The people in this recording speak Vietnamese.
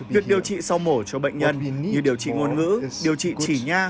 việc điều trị sau mổ cho bệnh nhân như điều trị ngôn ngữ điều trị chỉ nha